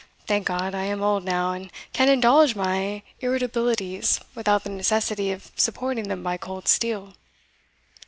Thank God, I am old now, and can indulge my irritabilities without the necessity of supporting them by cold steel."